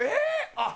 あっ。